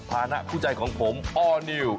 ภาระผู้ใจของผมอ่อนิล